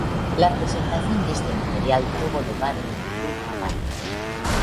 La presentación de este material tuvo lugar en el Luna Park.